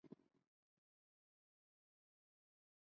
希兰于高斯林在舒梨郡拥有的里录制了歌曲。